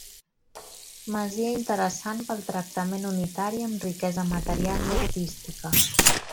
Masia interessant pel tractament unitari amb riquesa material i artística.